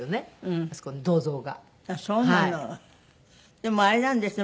でもあれなんですね。